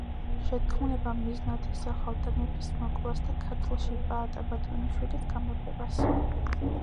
შეთქმულება მიზნად ისახავდა მეფის მოკვლას და ქართლში პაატა ბატონიშვილის გამეფებას.